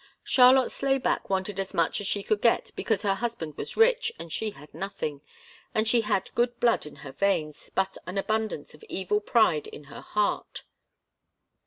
Charlotte Slayback wanted as much as she could get because her husband was rich, and she had nothing, and she had good blood in her veins, but an abundance of evil pride in her heart.